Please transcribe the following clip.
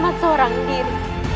selamat seorang diri